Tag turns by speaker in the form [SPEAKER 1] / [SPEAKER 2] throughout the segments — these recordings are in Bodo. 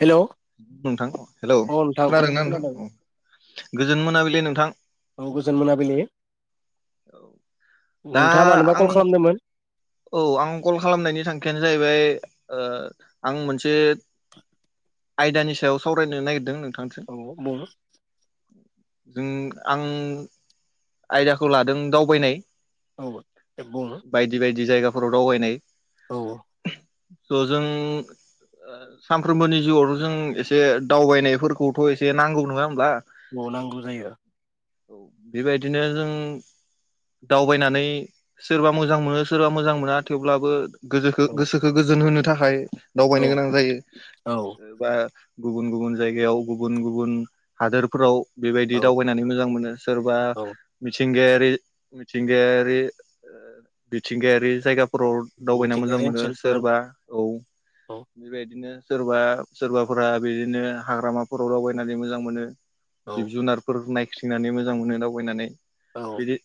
[SPEAKER 1] हेलौ
[SPEAKER 2] नोंथां हेलौ
[SPEAKER 1] अ नोंथां
[SPEAKER 2] खोनादोंना
[SPEAKER 1] खोनादों
[SPEAKER 2] नोंथां औ गोजोन मोनाबिलि नोंथां
[SPEAKER 1] औ गोजोन मोनाबिलि
[SPEAKER 2] दा
[SPEAKER 1] नोंथाङा मानोबा
[SPEAKER 2] आं
[SPEAKER 1] कल खालामदोंमोन
[SPEAKER 2] औ आं कल खालामनायनि थांखियानो जाहैबाय आं मोनसे आयदानि सायाव सावरायनो नागिरदों नों
[SPEAKER 1] औ बुं
[SPEAKER 2] जों आं आयदाखौ लादों दावबायनाय
[SPEAKER 1] औ
[SPEAKER 2] जि जायगाफोराव दावबायनाय
[SPEAKER 1] औ
[SPEAKER 2] स' जों सानफ्रोमबोनि जिउआवथ' जों एसे दावबायनायफोरखौथ' एसे नांगौ नङा होमब्ला
[SPEAKER 1] अ नांगौ जायो।
[SPEAKER 2] औ बेबायदिनो जों दावबायनानै सोरबा मोजां मोनो। सोरबा मोजां मोना थेवब्लाबो गो
[SPEAKER 1] औ
[SPEAKER 2] गोसोखौ गोजोन होनो थाखाय हाय दावबायनो
[SPEAKER 1] औ
[SPEAKER 2] गोनां जायो
[SPEAKER 1] औ
[SPEAKER 2] बा गुबुन गुबुन जायगायाव गुबुन गुबुन हादोरफोराव बेबायदि
[SPEAKER 1] औ
[SPEAKER 2] दावबायनानै मोजां मोनो सोरबा
[SPEAKER 1] औ
[SPEAKER 2] मिथिंगायारि बे मिथिंगायारि मिथिंगायारि जायगा [unintelligible] दावबायनो मोजां
[SPEAKER 1] मिथिंगायारि
[SPEAKER 2] मोनो
[SPEAKER 1] ओनसोलफोर
[SPEAKER 2] सोरबा औ
[SPEAKER 1] औ
[SPEAKER 2] बेबायदिनो सोरबा सोरबाफोरा बिदिनो हाग्रामाफोराव दावबायनानै मोजां मोनो
[SPEAKER 1] औ
[SPEAKER 2] जिब जुनारफोर नाय थिनानै मोजां मोनो दावबायनानै
[SPEAKER 1] औ
[SPEAKER 2] बिदि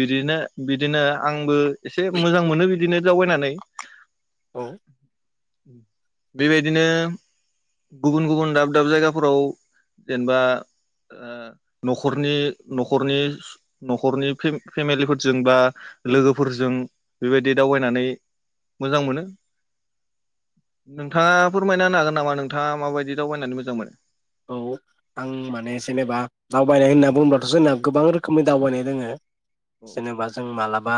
[SPEAKER 2] बिदिनो बिदिनो आंबो एसे मोजां मोनो बिदि बिदिनो दावबायनानै
[SPEAKER 1] औ
[SPEAKER 2] बेबायदिनो गुबुन गुबुन दाब दाब जायगाफोराव जेनेबा नखरनि नखरनि नखरनि फेमिलिफोरजों बा लोगोफोरजों बेबायदि दावबायनानै मोजां मोनो नोंथांङा फोरमायना होनो हागोन नामा नोंथांङा माबायदि दावबायनानै मोजां मोनो।
[SPEAKER 1] औ आं माने जेनेबा दावबायनाय होनना बुङोबथ जोंना गोबां रोखोमनि दावबायनाय दोङो
[SPEAKER 2] औ
[SPEAKER 1] जेनेबा जों मालाबा बा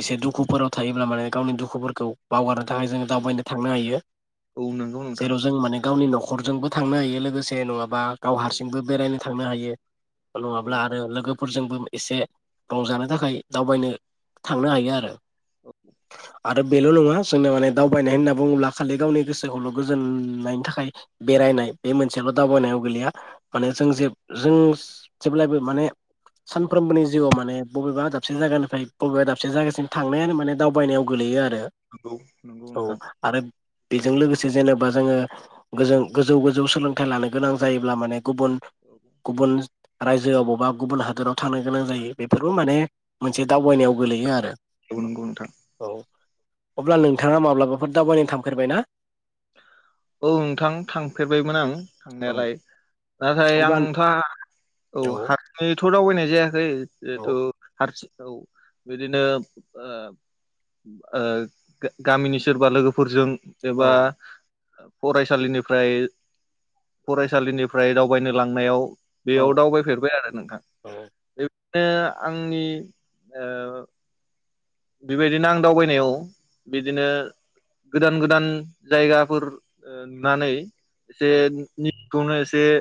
[SPEAKER 1] एसे दुखुफोराव थायोब्ला माने गावनि दुखुफोरखौ बावगारनो थाखाय जों दावबायनो थांनो हायो
[SPEAKER 2] औ नंगौ नोंथां
[SPEAKER 1] जेराव जों माने गावनि नखर खरजोंबो थांनो हायो लोगोसे नङाब बा गाव
[SPEAKER 2] औ
[SPEAKER 1] हारसिंबो बेरायनो थांनो हायो।
[SPEAKER 2] औ
[SPEAKER 1] नङाब्ला आरो लोगो। फोरजोंबो एसे रंजानो थाखाय दावबायनो थांनो हायो आरो।
[SPEAKER 2] [inaudible]
[SPEAKER 1] आरो बेल नङा जोंनो माने दावबायनाय होनना बुङोब्ला खालि गावनि गोसोखौल गोजोननायनि थाखाय बेरायनाय बे मोनसेल दावबायनायाव गोलैया। माने जों
[SPEAKER 2] औ
[SPEAKER 1] जे जों जेब्लायबो माने सानफ्रोमबोनि जिउआव माने बबेबा दाबसे जायगानिफ्राय बबेबा दाबसे जायगासिम थांनायानो माने दावबायनायाव गोलैयो आरो।
[SPEAKER 2] नंगौ नंगौ
[SPEAKER 1] रो औ
[SPEAKER 2] नोंथां
[SPEAKER 1] आरो बेजों लोगोसे जेनेबा जोङो गोजौ गोजौ गोजौ सोलोंथाइ लानो गोनां जायोब्ला माने गुबुन गुबुन रायजो अबावबा गुबुन हादराव थानो गोनां जायो बेफोरबो
[SPEAKER 2] औ
[SPEAKER 1] माने मोनसे दावबायनायाव गोलैयो आरो
[SPEAKER 2] नंगौ नोंथां
[SPEAKER 1] औ। अब्ला नोंथाङा माब्लाबाफोर दावबायनो थांफेरबाय ना।
[SPEAKER 2] औ नोंथां थांफेरबायमोन आं।
[SPEAKER 1] औ
[SPEAKER 2] थांनायालाय नाथाय
[SPEAKER 1] अब्ला
[SPEAKER 2] आंथ औ हारसिंयै थ दावबायनाय जायाखै।
[SPEAKER 1] औ
[SPEAKER 2] जेहेथु हारसिं औ बिदिनो ओ ओ गामिनि सोरबा लोगोफोरजों एबा
[SPEAKER 1] औ
[SPEAKER 2] फरायसालिनिफ्राय फरायसालिनिफ्राय दावबायनो लांनायाव।
[SPEAKER 1] औ
[SPEAKER 2] बेयाव दावबायफेरबाय आरो नोंथां। [unintelligible] आंनि ओ बेबायदिनो आं दावबायनायाव बिदिनो गोदान गोदान जायगाफोर ओ नुनानै जे [unintelligible]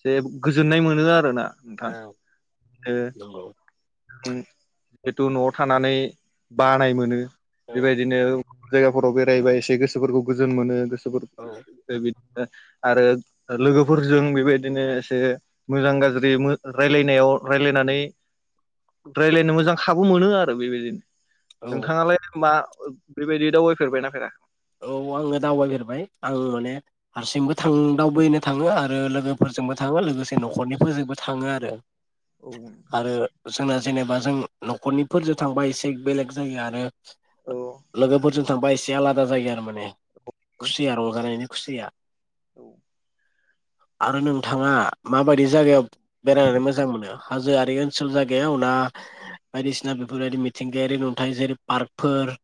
[SPEAKER 2] एसे गोजोननाय मोनो आरो ना।
[SPEAKER 1] ओ नंगौ।
[SPEAKER 2] ओम जिहेथु न'आव थानानै। बानाय
[SPEAKER 1] औ
[SPEAKER 2] मोनो
[SPEAKER 1] औ
[SPEAKER 2] बेबायदिनो। जायगाफोराव बेराया एसे गोसोफोरखौ गोजोन मोनो [unintelligible] आरो लोगोफोरजों बेबायदि [unintelligible] एसे मोजां गाज्रि मो रायलायनायाव। रायलायनानै। रायलायनो मोजां खाबु मोनो आरो बेबायदि।
[SPEAKER 1] औ
[SPEAKER 2] नोंथाङालाय मा ओ बेबायदि दावबायफेरबायना फेरा?
[SPEAKER 1] औ आङो दावबायफेरबाय आं माने हारसिंबो थां दावबायनो थाङो आरो लो
[SPEAKER 2] औ
[SPEAKER 1] लोगोफोरजोंबो थाङो लोगोसे न'खरनिफोरजोंबो थाङो आ रो।
[SPEAKER 2] औ
[SPEAKER 1] आरो जोंना जेनेबा जों न'खरनिफोरजों थांबा एसे बेलेग जायो आरो
[SPEAKER 2] औ
[SPEAKER 1] लोगोफोरजों थांबा एसे आला दा जायो आरो माने। खुसि आ रंजानायनि खुसिया।
[SPEAKER 2] औ
[SPEAKER 1] आरो नोंथाङा माबायदि जायगायाव बेरायनानै मोजां मोनो हाजोआरि ओनसोल जायगाया उना बायदिसिना बेफोरबायदि मिथिंगायारि नुथाय जेरै पार्कफोर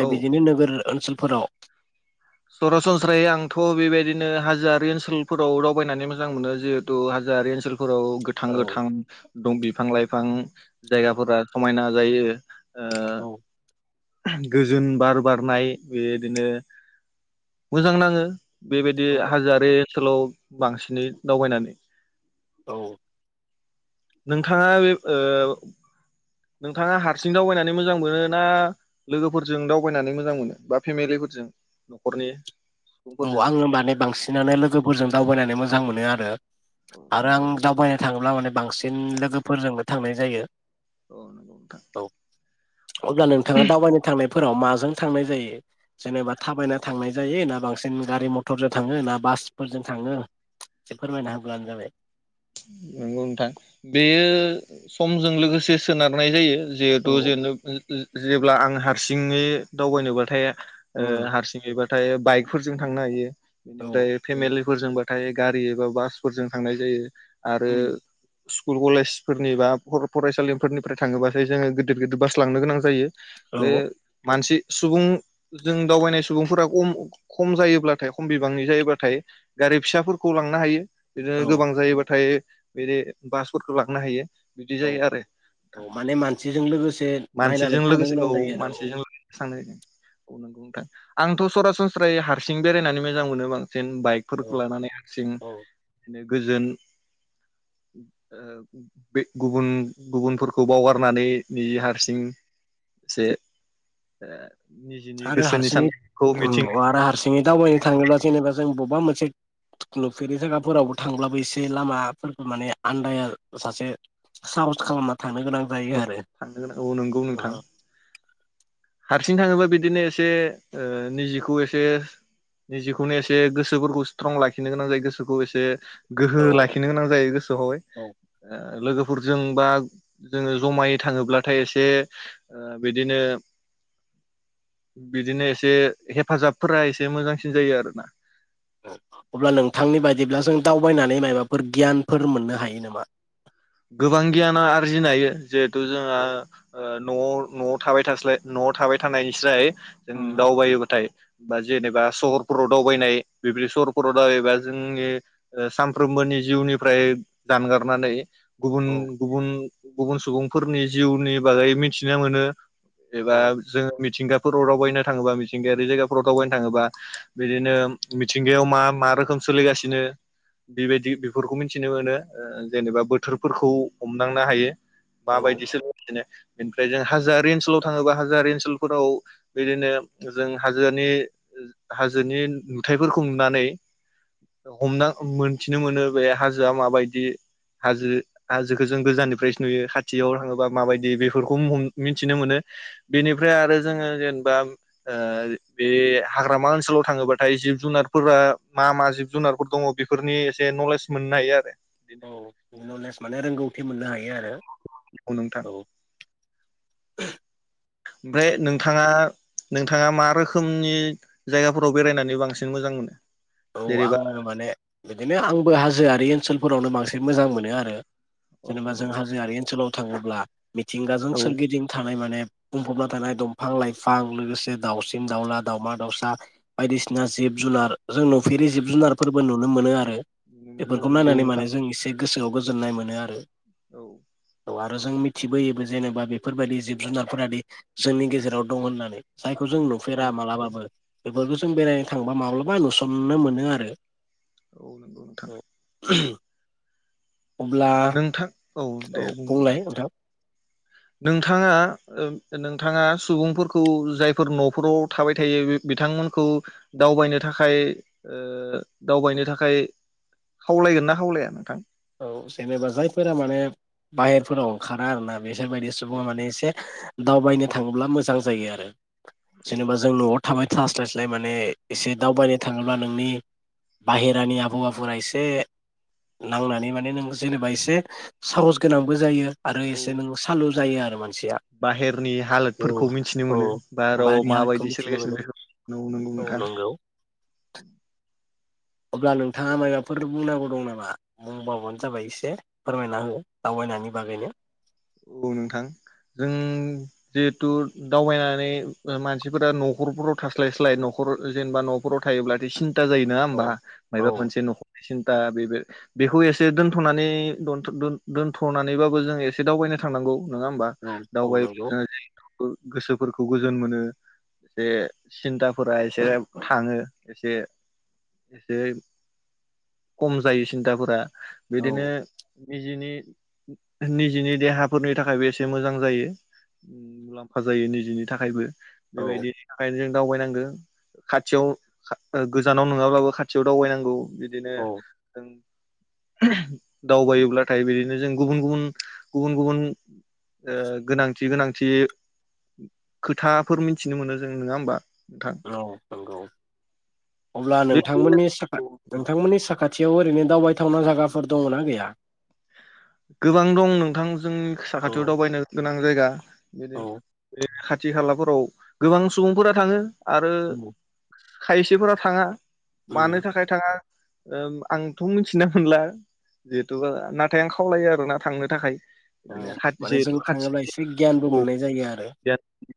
[SPEAKER 2] औ
[SPEAKER 1] बिदिनि नोगोर ओनसोलफोराव
[SPEAKER 2] सरासनस्रायै आंथ' बेबायदिनो हाजोआरारि ओनसोलफोराव दावबायनानै मोजां मोनो जिहेतु हाजोआरि ओनसोल फोराव गोथां
[SPEAKER 1] औ
[SPEAKER 2] गोथां दं बिफां लाइफां। जायगाफोरा समायना जायो। ओ
[SPEAKER 1] औ
[SPEAKER 2] गोजोन बार बारनाय बेदिनो मोजां नाङो। बेबायदि
[SPEAKER 1] औ
[SPEAKER 2] हाजोआरि ओनसोलाव बांसिनै दावबायनानै
[SPEAKER 1] औ
[SPEAKER 2] नोंथाङा बे ओ नोंथाङा हारसिं दावबायनानै मोजां मोनो ना लोगोफोरजों दावबायनानै मोजां मोनो बा फेमिलिफोरजों न'खरनि
[SPEAKER 1] औ
[SPEAKER 2] सुबुंफोरजों
[SPEAKER 1] आङो माने बांसिनानो लोगोफोरजों दावबायनानै मो जां मोनो आरो।
[SPEAKER 2] औ
[SPEAKER 1] आरो आं
[SPEAKER 2] नंगौ नोंथां
[SPEAKER 1] दावबायनो थाङोब्ला माने बांसिन बांसिन लोगोफोरजोंबो थांनाय जायो।
[SPEAKER 2] औ नंगौ नोंथां
[SPEAKER 1] औ अब्ला नोंथाङा दावबायनो थांनाय फोराव माजों थांनाय जायो जेनेबा थाबायना थांनाय जायो ना बांसिन गारि - मथरजों थाङो ना बासफोरजों थाङो एसे फोरमायना होब्लानो जाबाय
[SPEAKER 2] नंगौ नोंथां बेयो समजों लोगोसे सोनारनाय जायो
[SPEAKER 1] औ
[SPEAKER 2] जिहेतु जे जेब्ला आं हारसिङै दावबायनोबाथाय ओ
[SPEAKER 1] उम
[SPEAKER 2] हारसिङैबा थाय बाइकफोरजों थांनो हायो बेनिफ्राय
[SPEAKER 1] औ
[SPEAKER 2] फेमेलि फोरजोंबाथाय गारि एबा बासफोरजों थांनाय जायो आरो
[SPEAKER 1] उम
[SPEAKER 2] स्कुल -कलेजफोरनि बा फरायसालिफोरनिफ्राय थाङोबासो जोङो गिदिर -गिदिर बास लांनो गोनां जायो बे
[SPEAKER 1] औ
[SPEAKER 2] मानसि सुबुं जों दावबायनाय सुबुंफोरा खम- खम जायोब्लाथाय खम बिबांनि जायोब्लाथाय गारि फिसाफोरखौ लांनो हायो बिदिनो
[SPEAKER 1] औ
[SPEAKER 2] गोबां जायोबा थाय बेदि बासफोरखौ लांनो हायो बिदि जायो
[SPEAKER 1] औ-
[SPEAKER 2] आरो नोंथां
[SPEAKER 1] औ माने मानसिजों लोगोसे नायनानै थांनो गोनां जायो आरो औ
[SPEAKER 2] थांनाय औ नंगौ नोंथां आंथ' सरासनस्रायै हारसिं बेरायनानै मोजां मोनो आं जेन
[SPEAKER 1] औ
[SPEAKER 2] बाइकफोरखौ लानानै हांसिं
[SPEAKER 1] औ
[SPEAKER 2] बिदिनो गोजोन [unintelligible]
[SPEAKER 1] आरो
[SPEAKER 2] गोसोनि
[SPEAKER 1] हारसिङै
[SPEAKER 2] साननायखौ मिथिं
[SPEAKER 1] आरो हारसिङै दावबायनो थाङोब्ला जेनेबा जों बबेबा मोन नुफेरि जायगाफोरावबो थांब्लाबो एसे लामाफोरखौ माने आन्दाया जासे साहस खालामना थांनो गोनां जायो आरो
[SPEAKER 2] थांनांगोन औ नंगौ नोंथां
[SPEAKER 1] औ
[SPEAKER 2] हारसिं थाङोबा बिदिनो एसे निजिखौ एसे निजिखौनो एसे गोसोफोरखौ स्ट्रं लाखिनो गोनां जायो गोसोखौ एसे गोहो
[SPEAKER 1] औ
[SPEAKER 2] लाखिनो गोनां जायो
[SPEAKER 1] औ
[SPEAKER 2] गोसोआवहाय लोगोफोरजों बा जोङो जमायै थाङोब्लाथाय एसे बिदिनो बिदिनो एसे हेफाजाबफोरा एसे मोजांसिन जायो आरोना
[SPEAKER 1] अब्ला नोंथांनि बायदिब्ला जों दावबायनानै माबाफोर गियानफोर मोननो हायो नामा
[SPEAKER 2] गोबां गियाना आरजिनो हायो जिहेथु जोंहा
[SPEAKER 1] औ
[SPEAKER 2] न'आव न'आव थाबाय थास्लाय न'आव थाबाय थानायनिस्राय जों
[SPEAKER 1] उम
[SPEAKER 2] दावबायोबाथाय बा जेनेबा सहरफोराव दावबायनाय बेबायदि सहरफोराव दावायोबा जोंनि सानफ्रोमबोनि जिउनिफ्राय जानगारनानै गुबुन
[SPEAKER 1] औ
[SPEAKER 2] गुबुन गुबुन सुबुंफोरनि जिउनि बागै मिथिनो मोनो। एबा
[SPEAKER 1] औ
[SPEAKER 2] जों मिथिंगा फोराव दावबायनो थाङोबा मिथिंगायारि जायगाफोराव दावबायनो थाङोबा बिदिनो मिथिंगायाव मा मा रोखोम सोलिगासिनो बेबायदि बेफोरखौ मिन्थिनो मोनो। जेनेबा ओ बोथोर फोरखौ हमदांनो हायो।
[SPEAKER 1] औ
[SPEAKER 2] माबायदिसो बिदिनो। बेनिफ्राय जों हाजोआरि ओनसोलाव थाङोबा हाजोआरि ओनसोलफोराव बिदिनो जों हाजोनि हाजोनि नुथाइफोरखौ नुनानै हमना मोननथिनो मोनो बे हाजोआ माबायदि। हाजो हाजोखो जों गोजाननिफ्रायसो नुयो खाथियाव थाङोबा माबायदि बेफोरखौ मिन्थिनो मोनो। बेनिफ्राय आरो जोङो जेनेबा बे हाग्रामा ओनसोलाव थाङोबाथाय जिब जुनारफोरा मा मा जिब जुनारफोर दङ बेफोरनि एसे नलेज मोननो हायो आरो। बिदिनो।
[SPEAKER 1] औ नलेज माने रोंगौथि मोननो हायो। बिदि
[SPEAKER 2] औ नोंथां
[SPEAKER 1] आरो औ। [inaudible]
[SPEAKER 2] ओमफ्राय नोंथाङा नोंथाङा मा रोखोमनि जायगाफोराव बेरायनानै बांसिन मोजां मोनो?
[SPEAKER 1] औ
[SPEAKER 2] जेरैबा
[SPEAKER 1] आङो माने बिदिनो आंबो हाजोआरि ओनसोल फोरावनो बांसिन मोजां मोनो आरो।
[SPEAKER 2] औ
[SPEAKER 1] जेनेबा जों
[SPEAKER 2] नंगौ
[SPEAKER 1] हाजोआरि ओनसोलाव थाङोब्ला। मिथिंगाजों
[SPEAKER 2] औ
[SPEAKER 1] सोरगिदिं थानाय माने बुंफबना थानाय दंफां लाइफां लोगोसे दाउसिम दाउला दावमा दाउसा बायदिसिना जिब जुनार जों नुफेरि जिब जुनारफोरबो नुनो मोनो आरो।
[SPEAKER 2] औ
[SPEAKER 1] बेफोरखौ
[SPEAKER 2] नंगौ
[SPEAKER 1] नायनानै
[SPEAKER 2] नोंथां
[SPEAKER 1] माने जों एसे गोसोआव गोजोननाय मोनो आरो।
[SPEAKER 2] औ।
[SPEAKER 1] औ आरो जों मिथिबोयोबो जेनेबा बेफोरबायदि जिब जुनारफोरादि जोंनि गेजेराव दं होननानै। जायखौ जों
[SPEAKER 2] औ
[SPEAKER 1] नुफेरा
[SPEAKER 2] नंगौ
[SPEAKER 1] मालाबाबो बेफोरखौ जों बेरायनो थांबा माब्लाबा नु सननो मोनो आरो।
[SPEAKER 2] औ नंगौ नोंथां
[SPEAKER 1] औ।
[SPEAKER 2] नोंथां
[SPEAKER 1] औ बुंलाय नोंथां।
[SPEAKER 2] नोंथाङा ओ नोंथाङा सुबुंफोरखौ जायफोर न'फोराव थाबाय थायो बि बिथांमोनखौ दावबायनो थाखाय ओ दावबायनो थाखाय खावलायगोन ना खावलाया नोंथां?
[SPEAKER 1] औ जेनेबा जायफोरा माने बाहेरफोराव ओंखारा आरोना बिसोर बायदि सुबुङा माने इसे दावबायनो थाङोब्ला मोजां जायो आरो।
[SPEAKER 2] औ
[SPEAKER 1] जेनेबा जों न'आव थाबाय थास्लायस्लाय माने एसे
[SPEAKER 2] औ
[SPEAKER 1] दावबायनो थाङोब्ला नोंनि बाहेरानि आबहावाफोरा एसे नांनानै माने नों जेनेबा एसे साहस गोनांबो जायो आरो
[SPEAKER 2] औ
[SPEAKER 1] एसे नों सालु जायो आरो माने
[SPEAKER 2] बाहेरनि हालोदफोरखौ मिनथिनो
[SPEAKER 1] औ
[SPEAKER 2] मोनो बाहेराव
[SPEAKER 1] बारि हालोदखौ
[SPEAKER 2] माबायदि
[SPEAKER 1] मिथिनो
[SPEAKER 2] सोलिगासिनो
[SPEAKER 1] मोनो
[SPEAKER 2] बेखौ नंगौ
[SPEAKER 1] औ
[SPEAKER 2] नोंथां।
[SPEAKER 1] नंगौ अब्ला नोंथाङा माइबाफोर बुंनांगौ दं नामा बुंबावबानो जाबाय एसे फोरमायना हो दावबायनायनि बागैनो।
[SPEAKER 2] औ नोंथां जों जिहेथु दावबायनानै मानसिफोरा न'खरफोराव थास्लाय स्लाय न'खर जेनेबा न'फोराव थायोब्लाथाय सिन था जायो नङा
[SPEAKER 1] औ
[SPEAKER 2] होमबा
[SPEAKER 1] औ
[SPEAKER 2] मायबा मोनसे नख सिन्था बेबो बेखौ एसे दोनथ'नानै दोनथ'नानैबाबो जों एसे एसे दावबायनो थांनांगौ। नङा होमबा
[SPEAKER 1] औ औ
[SPEAKER 2] दावबायो
[SPEAKER 1] नंगौ
[SPEAKER 2] [unintelligible] गो गोसोफोरखौ गोजोन मोनो एसे सिन्थाफोरा एसे थाङो एसे एसे खम जायो सिन्थाफोरा।
[SPEAKER 1] औ
[SPEAKER 2] बिदिनो निजिनि निज जिनि देहाफोरनि थाखायबो एसे मोजां जायो मुलाम्फा जायो निजिनि थाखायबो।
[SPEAKER 1] औ
[SPEAKER 2] बेबायदि नि थाखायनो जों दावबायनांगौ खाथियाव खा गोजानाव नङाब्लाबो खाथियाव दावबायनांगौ। बिदिनो
[SPEAKER 1] औ
[SPEAKER 2] जों दावबायोब्लाथाय बिदिनो जों गुबुन गुबुन गुबुन गुबुन ओ गोनांथि गोनांथि खोथाफोर मिथिनो मोनो जों नङा होमबा? नोंथां
[SPEAKER 1] औ। नंगौ। अब्ला
[SPEAKER 2] बेदिनो
[SPEAKER 1] नोंथांमोननि साखा नोंथांमोननि साखा थियाव ओरैनो दावबायथावना जागाफोर दङ'ना गैया?
[SPEAKER 2] गोबां दं नोंथां। जोंनि
[SPEAKER 1] औ
[SPEAKER 2] साखाथियाव दावबायनो गोनां। मा जायगा? बिदिन
[SPEAKER 1] औ
[SPEAKER 2] बिदिनो थि खालाफोराव गोबां सुबुंफोरा थाङो। आरो
[SPEAKER 1] उम
[SPEAKER 2] खायसेफोरा थाङा मानो
[SPEAKER 1] उम
[SPEAKER 2] थाखाय थाङा ओम आंथ' मिथिना मोनला जिहेथु आं नाथाय आं खा खावलायो आरो ना थांनो थाखाय।
[SPEAKER 1] औ
[SPEAKER 2] बिदिनो खाथि
[SPEAKER 1] माने जों
[SPEAKER 2] जिहेथु
[SPEAKER 1] थाङोब्ला
[SPEAKER 2] खाथिनि
[SPEAKER 1] एसे गियानबो
[SPEAKER 2] औ
[SPEAKER 1] मोननाय जायो आरो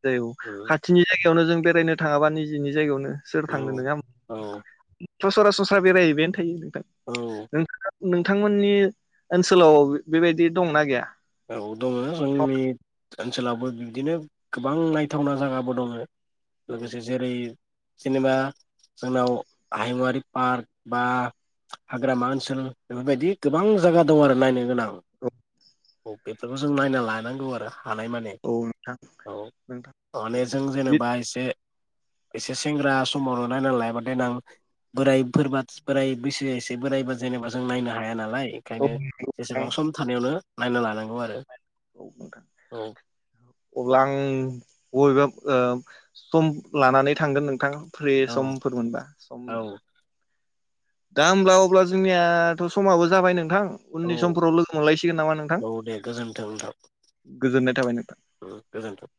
[SPEAKER 2] जायो औ खाथिनि जायगायावनो जों बेरायनो थाङाबा निजिनि जायगायावनो सोर थांनो
[SPEAKER 1] औ
[SPEAKER 2] नोङा
[SPEAKER 1] औ
[SPEAKER 2] स सरासनस्रा बेराय होयबायानो थोयो नो।
[SPEAKER 1] औ।
[SPEAKER 2] नोंथांमोननि ओन सोलाव बेबायदि दंना गैया?
[SPEAKER 1] औ दङ
[SPEAKER 2] औ
[SPEAKER 1] जोंनि ओनसोलावबो बिदिनो गोबां नायथावना जागाबो दङो। लोगोसे जेरै जेनेबा जोंनाव हायुंवारि पार्क बा हाग्रामा ओनसोल बेफोरबायदि गोबां जागा दं आरो नायनो गोनां।
[SPEAKER 2] औ।
[SPEAKER 1] औ बेफोरखौ जों नायना लानांगौ आरो। हानाय माने
[SPEAKER 2] औ नोंथां
[SPEAKER 1] औ
[SPEAKER 2] नोंथां औ
[SPEAKER 1] माने जों जेनेबा एसे एसे सेंग्रा समावल नायना लायाबा देनां बोरायफोरबा बोराय बैसो एसे बोराइबा जेनेबा जों नायनो हाया नालाय।
[SPEAKER 2] औ
[SPEAKER 1] ओंखायनो
[SPEAKER 2] नोंथां
[SPEAKER 1] जेसेबां सम थानायावनो नायना लानां
[SPEAKER 2] अब्ला आं बबेबा ओ सम लानानै थांगोन नोंथां। फ्रि
[SPEAKER 1] औ
[SPEAKER 2] समफोर मोनबा सम
[SPEAKER 1] औ
[SPEAKER 2] दा होमब्ला अब्ला जोंनियाथ समाबो जाबाय नोंथां।
[SPEAKER 1] औ
[SPEAKER 2] उननि समफोराव लोगो मोनलायसिगोन नामा नोंथां।
[SPEAKER 1] औ दे
[SPEAKER 2] गोजोननाय थाबाय नोंथां।
[SPEAKER 1] ओ गोजोनथों।